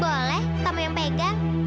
boleh kamu yang pegang